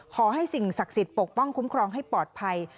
ขอให้สิ่งศักดิ์สิทธิ์ปกป้องคุ้มครองให้ปลอดภัย